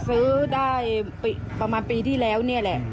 ซื้อได้ประมาณปีที่แล้วนี่แหละ